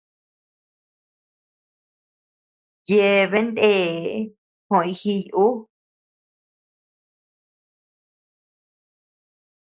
Yeabean ndee joʼoy jiy ú.